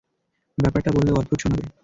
ব্যাপারটা বললে অদ্ভুত শোনাবে।